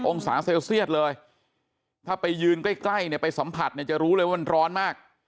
องศาเซลเซียตเลยถ้าไปยืนใกล้เนี่ยไปสัมผัสเนี่ยจะรู้เลยว่ามันร้อนมาก